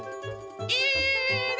いいね！